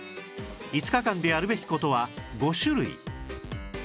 ５日間でやるべき事は５種類